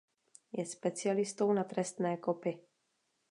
Je specialistou na trestné kopy.